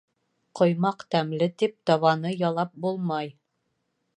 Ҡоймаҡ тәмле тип, табаны ялап булмай.